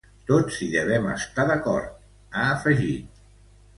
Tots hi devem estar d’acord, ha afegit.